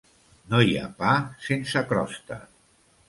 No hi ha pa sense crosta.